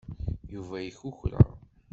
Yuba yekukra.